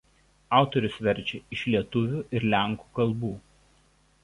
Autorius verčia iš lietuvių ir lenkų kalbų.